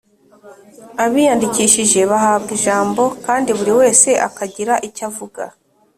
abiyandikishije bahabwa ijambo kandi buri wese akagira icyo avuga